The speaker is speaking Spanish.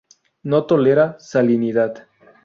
No tolera salinidad.